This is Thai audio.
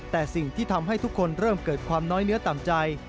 แต่สิ่งที่ทำให้ทุกคนเริ่มเกิดความน้อยเนื้อต่ำใจ